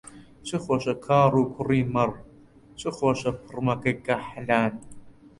چ خۆشە کاڕ و کووڕی مەڕ، چ خۆشە پڕمەکەی کەحلان